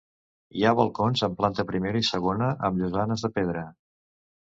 Hi ha balcons en planta primera i segona amb llosanes de pedra.